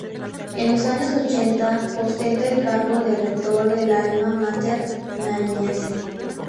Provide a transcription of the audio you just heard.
En los años ochenta, ostenta el cargo de Rector del Alma Máter nariñense.